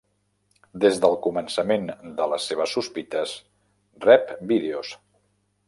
Des del començament de les seves sospites, rep vídeos.